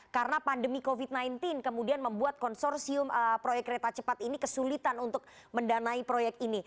karena pandemi covid sembilan belas kemudian membuat konsorsium proyek kereta cepat ini kesulitan untuk mendanai proyek